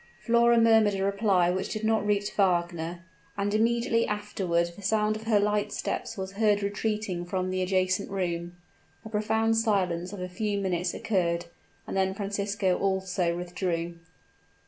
Flora murmured a reply which did not reach Wagner, and immediately afterward the sound of her light steps was heard retreating from the adjacent room. A profound silence of a few minutes occurred; and then Francisco also withdrew.